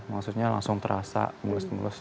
maksudnya langsung terasa mulus mulus